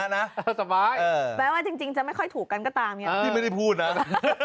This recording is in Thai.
หมายถึงพี่บอสกับดอง